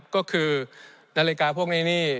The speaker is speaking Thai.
ก็คือนาฬิกาพวกนี้นี่